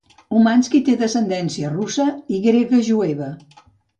Umansky té descendència russa i grega jueva.